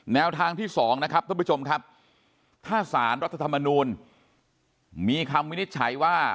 แนวทางที่๒นะครับท่านผู้ชมครับถ้าสารรัฐธรรมนูลมีคำวินิจฉัยว่า